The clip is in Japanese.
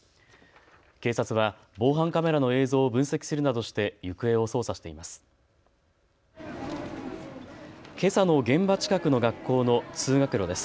警察は防犯カメラの映像を分析するなどして行方を捜査しています。